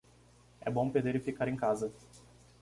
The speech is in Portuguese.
É bom perder e ficar em casa.